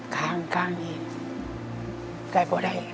ข้างนี้ใกล้ประวัติ